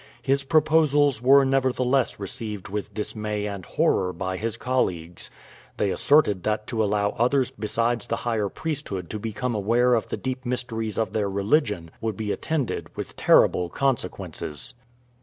His proposals were nevertheless received with dismay and horror by his colleagues. They asserted that to allow others besides the higher priesthood to become aware of the deep mysteries of their religion would be attended with terrible consequences.